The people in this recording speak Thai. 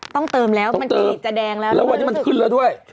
เติมแล้วมันจะแดงแล้วแล้ววันนี้มันขึ้นแล้วด้วย